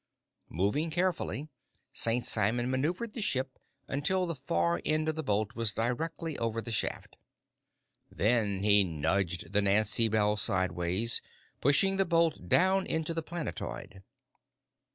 Moving carefully, St. Simon maneuvered the ship until the far end of the bolt was directly over the shaft. Then he nudged the Nancy Bell sideways, pushing the bolt down into the planetoid.